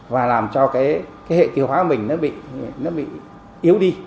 và làm cho hệ tiêu hóa của mình bị yếu đi